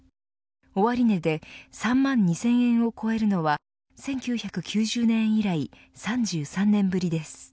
終値で３万２０００円を超えるのは１９９０年以来３３年ぶりです。